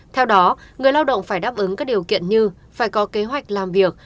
theo đó người lao động phải đáp ứng các điều kiện như phải có kế hoạch làm việc